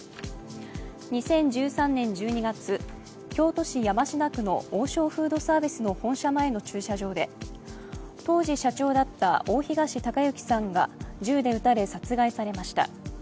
２０１３年１２月、京都市山科区の王将フードサービスの本社前の駐車場で当時社長だった大東隆行さんが銃で撃たれ殺害されました。